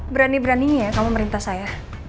berani berani ya kamu minta saya